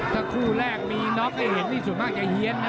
ถ้าคู่แรกมีน้องก็เห็นที่สุดมากจะเฮียนนะ